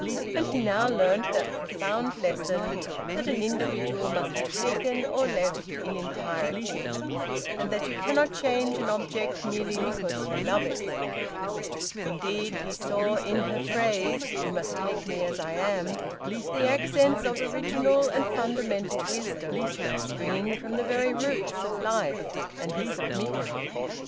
And he now learnt that profound lesson that an individual must be taken or left in entirety, and that you cannot change an object merely because you love it. Indeed he saw in her phrase, "You must take me as I am," the accents of original and fundamental wisdom, springing from the very roots of life. And he submitted.